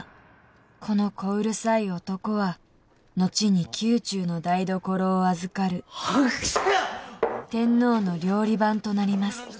このこうるさい男は後に宮中の台所を預かる天皇の料理番となります